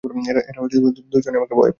এরা দু জনই আমাকে ভয় পাচ্ছে!